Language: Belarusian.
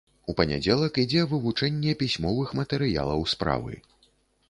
У панядзелак ідзе вывучэнне пісьмовых матэрыялаў справы.